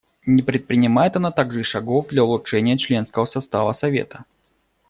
Не предпринимает она также и шагов для улучшения членского состава Совета.